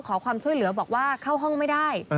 ขอความช่วยเหลือบอกว่าเข้าห้องไม่ได้